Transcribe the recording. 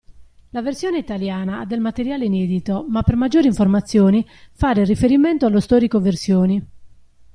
La versione italiana ha del materiale inedito ma per maggiori informazioni fare riferimento allo storico versioni.